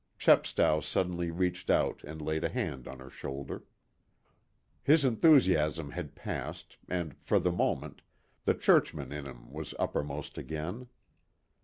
Chepstow suddenly reached out and laid a hand on her shoulder. His enthusiasm had passed, and, for the moment, the churchman in him was uppermost again.